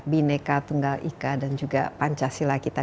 bineka tunggal ika dan juga pancasila kita